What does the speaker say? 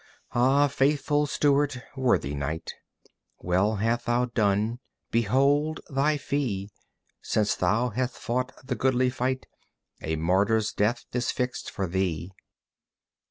Ah, faithful steward, worthy knight, Well hast thou done. Behold thy fee! Since thou hast fought the goodly fight A martyr's death is fixed for thee.